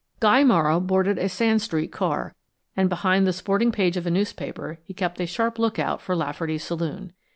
Guy Morrow boarded a Sand Street car, and behind the sporting page of a newspaper he kept a sharp look out for Lafferty's saloon.